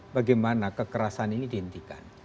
bagaimana kekerasan ini dihentikan